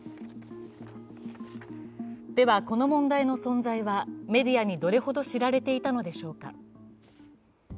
では、この問題の存在は、メディアにどれほど知られていたのでしょうか。